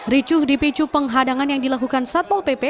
ricuh dipicu penghadangan yang dilakukan satpol pp